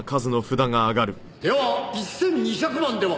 「では１２００万では？」